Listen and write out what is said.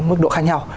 mức độ khác nhau